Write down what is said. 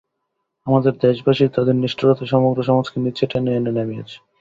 আমাদের দেশবাসীরা তাদের নিষ্ঠুরতায় সমগ্র সমাজকে নীচে টেনে এনে নামিয়েছে।